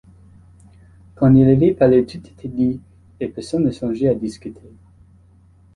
Quand il avait parlé tout était dit et personne ne songeait à discuter.